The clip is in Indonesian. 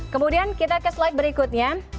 kemudian kita ke slide berikutnya